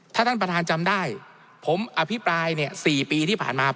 ถ้าท่านประธานจำได้ผมอภิปรายเนี่ย๔ปีที่ผ่านมา